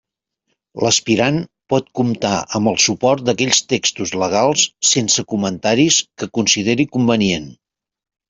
L'aspirant pot comptar amb el suport d'aquells textos legals sense comentaris que consideri convenient.